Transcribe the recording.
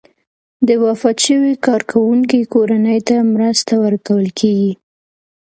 د وفات شوي کارکوونکي کورنۍ ته مرسته ورکول کیږي.